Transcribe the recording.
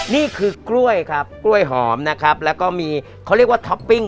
นี่คือกล้วยครับกล้วยหอมนะครับแล้วก็มีเขาเรียกว่าท็อปปิ้ง